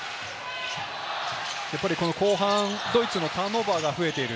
後半、ドイツのターンオーバーが増えている。